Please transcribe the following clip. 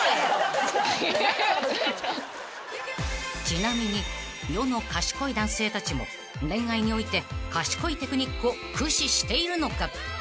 ［ちなみに世の賢い男性たちも恋愛において賢いテクニックを駆使しているのか？］